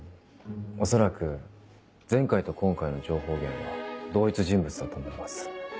恐らく前回と今回の情報源は同一人物だと思います。